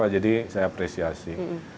jadi saya apresiasi